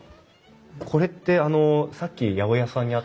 これってあのさっき八百屋さんにあった。